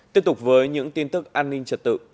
tiếp tục với những tin tức an ninh trật tự